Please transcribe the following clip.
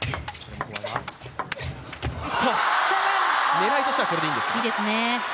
狙いとしてはこれでいいですか？